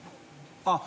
あっ！